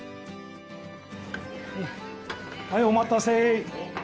はいお待たせ！